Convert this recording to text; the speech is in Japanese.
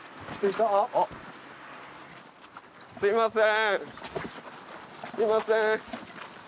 すみません。